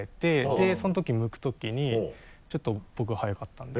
でそのとき剥くときにちょっと僕速かったんで。